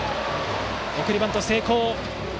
送りバント成功。